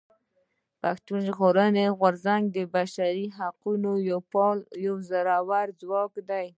پښتون ژغورني غورځنګ د بشري حقونو يو فعال زورور ځواک دی.